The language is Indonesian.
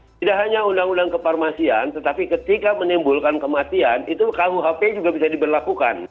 tidak hanya undang undang kefarmasian tetapi ketika menimbulkan kematian itu kuhp juga bisa diberlakukan